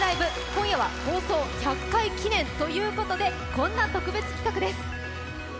今夜は放送１００回記念ということでこんな特別企画です。